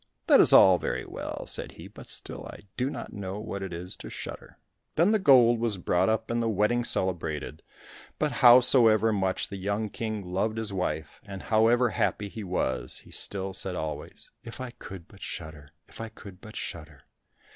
"That is all very well," said he, "but still I do not know what it is to shudder." Then the gold was brought up and the wedding celebrated; but howsoever much the young king loved his wife, and however happy he was, he still said always "If I could but shudder—if I could but shudder."